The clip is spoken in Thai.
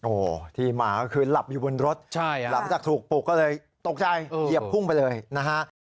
โอ้โหที่มาก็คือหลับอยู่บนรถหลังจากถูกปลุกก็เลยตกใจเหยียบพุ่งไปเลยนะฮะ